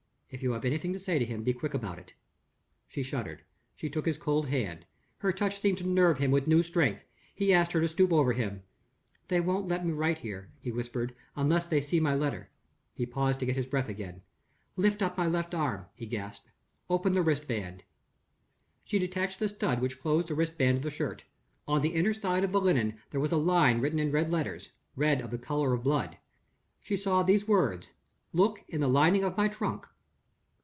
"If you have anything to say to him be quick about it!" She shuddered; she took his cold hand. Her touch seemed to nerve him with new strength; he asked her to stoop over him. "They won't let me write here," he whispered, "unless they see my letter." He paused to get his breath again. "Lift up my left arm," he gasped. "Open the wrist band." She detached the stud which closed the wrist band of the shirt. On the inner side of the linen there was a line written in red letters red of the color of blood. She saw these words: _Look in the lining of my trunk.